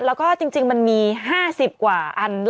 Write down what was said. แล้วก็จริงมันมี๕๐กว่าอัน